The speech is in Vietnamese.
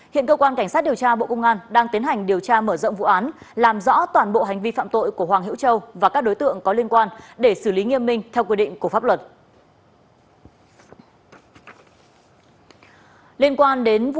hiện cơ quan cảnh sát điều tra bộ công an đang tiến hành điều tra mở rộng vụ án làm rõ toàn bộ hành vi phạm tội của hoàng hữu châu và các đối tượng có liên quan để xử lý nghiêm minh theo quy định của pháp luật